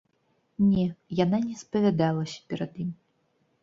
Не, яна не спавядалася перад ім.